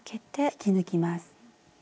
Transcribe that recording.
引き抜きます。